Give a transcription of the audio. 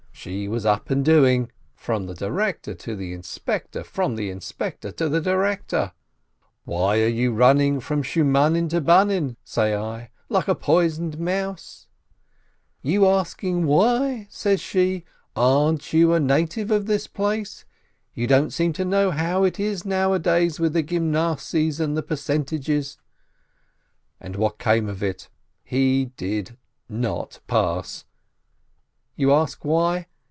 She was up and doing ! From the director to the inspector, from the inspector to the director ! "Why are you running from Shmunin to Bunin," say I, "like a poisoned mouse ?" "You asking why?" says she. "Aren't you a native of this place? You don't seem to know how it is now adays with the Gymnasiyes and the percentages ?" And what came of it ? He did not pass ! You ask why